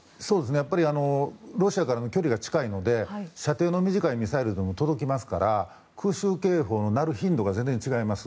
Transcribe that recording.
やっぱりロシアからの距離が近いので射程の短いミサイルでも届きますから空襲警報の鳴る頻度が全然違います。